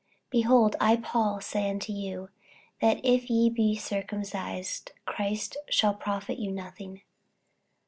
48:005:002 Behold, I Paul say unto you, that if ye be circumcised, Christ shall profit you nothing.